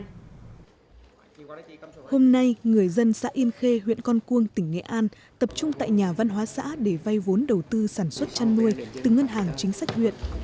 hôm nay người dân xã yên khê huyện con cuông tỉnh nghệ an tập trung tại nhà văn hóa xã để vay vốn đầu tư sản xuất chăn nuôi từ ngân hàng chính sách huyện